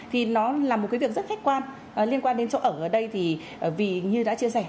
thì nó là một cái việc rất khách quan liên quan đến chỗ ở đây thì vì như đã chia sẻ